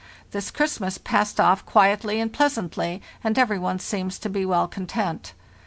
This Christmas passed off quietly and pleasantly, and every one seems to be well content.